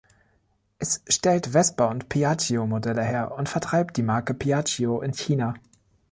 Es stellt Vespa- und Piaggio-Modelle her und vertreibt die Marke Piaggio in China.